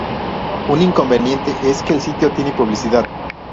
Un inconveniente es que el sitio tiene publicidad.